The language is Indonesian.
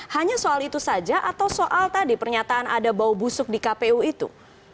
hanya soal itu saja atau soal tadi pernyataan ada bau busuk di kpu itu